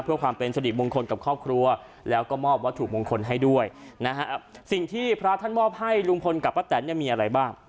เพื่อความเป็นสริมงคลกับครอบครัวแล้วก็มอบวัตถุมงคลให้ด้วยนะฮะสิ่งที่พระท่านมอบให้ลุงพลกับป้าแตนเนี่ยมีอะไรบ้าง